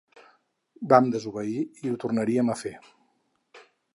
Vam desobeir i ho tornaríem a fer.